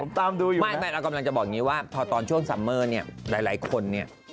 ผมตามดูอยู่นะพอตอนช่วงซัมเมอร์หลายคน